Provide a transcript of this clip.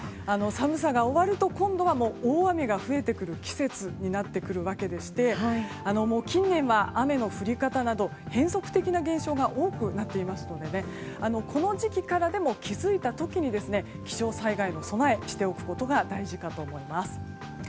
寒さが終わると今度は大雨が増えてくる季節になってくるわけでして近年は雨の降り方など変則的な現象が多くなっていますのでこの時期からでも気づいた時に気象災害の備え、しておくことが大事かと思います。